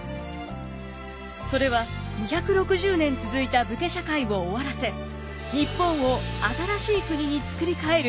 それは２６０年続いた武家社会を終わらせ日本を新しい国につくり変える